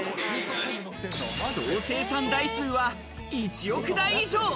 総生産台数は１億台以上。